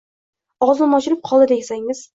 Ogʻzim ochilib qoldi desangiz.